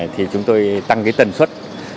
thì chúng tôi tăng cái tần suất